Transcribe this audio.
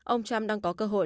ông trump đang có cơ hội